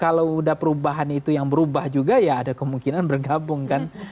kalau udah perubahan itu yang berubah juga ya ada kemungkinan bergabung kan